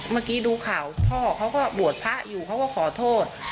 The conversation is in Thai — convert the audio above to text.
เมื่อกี้ดูข่าวพ่อเขาก็บวชพระอยู่เขาก็ขอโทษ